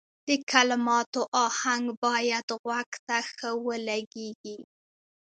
د کلماتو اهنګ باید غوږ ته ښه ولګیږي.